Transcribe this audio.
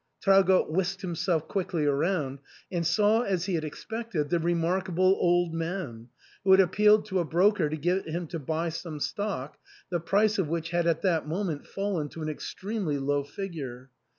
Traugott whisked himself quickly round, and saw, as he had expected, the re markable old man, who had appealed to a broker to get him to buy some stock, the price of which had at that moment fallen to an extremely low figure.